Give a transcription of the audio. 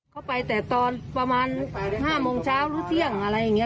เขาไปแต่ตอนประมาณ๕โมงเช้าหรือเที่ยงอะไรอย่างนี้